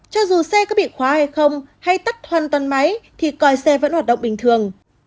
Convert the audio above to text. cho dù xe có bị khóa hay không hay tắt hoàn toàn máy thì còi xe vẫn hoạt động bình thường